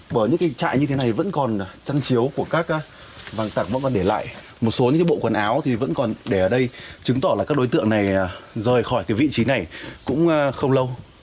bởi những cái trại như thế này vẫn còn trang chiếu của các vàng tặc vẫn còn để lại một số những cái bộ quần áo thì vẫn còn để ở đây chứng tỏ là các đối tượng này rời khỏi cái vị trí này cũng không lâu